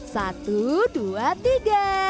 satu dua tiga